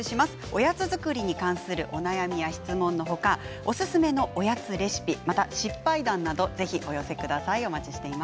おやつ作りに関するお悩みや質問のほかおやつ作りに関する失敗談などもお寄せください。